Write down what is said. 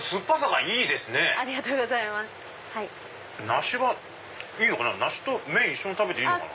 梨は梨と麺一緒に食べていいのかな？